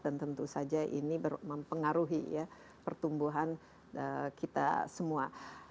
dan tentu saja ini mempengaruhi pertumbuhan kita semua